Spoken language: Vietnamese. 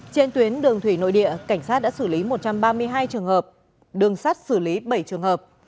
trên tuyến đường thủy nội địa cảnh sát đã xử lý một trăm ba mươi hai trường hợp đường sắt xử lý bảy trường hợp